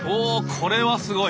これはすごい。